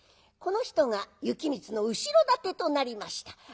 この人が行光の後ろ盾となりました。